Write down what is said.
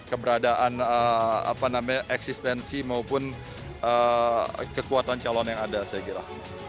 keberadaan eksistensi maupun kekuatan calon yang ada saya kira